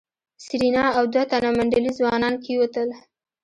سېرېنا او دوه تنه منډلي ځوانان کېوتل.